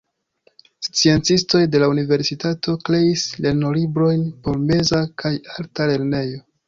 Sciencistoj de la universitato kreis lernolibrojn por meza kaj alta lernejo.